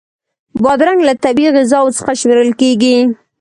بادرنګ له طبعی غذاوو څخه شمېرل کېږي.